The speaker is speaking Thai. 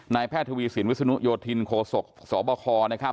แพทย์ทวีสินวิศนุโยธินโคศกสบคนะครับ